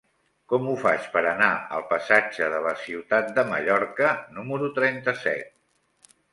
Com ho faig per anar al passatge de la Ciutat de Mallorca número trenta-set?